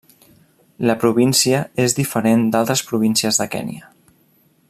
La província és diferent d'altres províncies de Kenya.